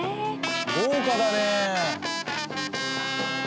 豪華だね。